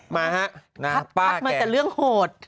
มาฮะคัดมาแต่เรื่องโหด